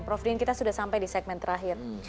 prof din kita sudah sampai di segmen terakhir